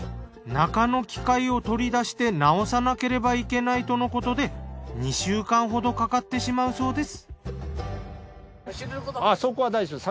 中の機械を取り出して直さなければいけないとのことで２週間ほどかかってしまうそうです。